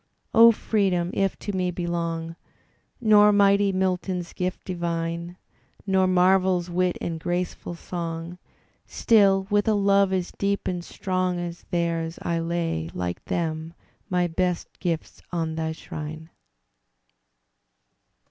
O Freedom! if to me belong Nor mighty Milton's gift divine. Nor Marvell's wit and graceful song. Still with a love as deep and strong As theirs, I lay, like them, my best gifts on thy shrine!